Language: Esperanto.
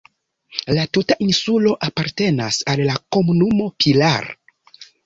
La tuta insulo apartenas al la komunumo Pilar.